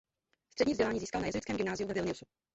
Střední vzdělání získal na jezuitském gymnáziu ve Vilniusu.